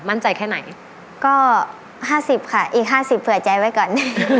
มั่นใจแค่ไหนก็๕๐ค่ะอีก๕๐เผื่อใจไว้ก่อน